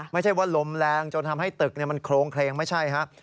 ไม่ใช่ว่าลมแรงจนทำให้ตึกมันโครงเคลงไม่ใช่ครับ